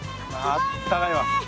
あったかいねえ。